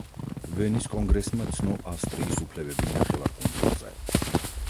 ვენის კონგრესმა ცნო ავსტრიის უფლებები ნახევარკუნძულზე.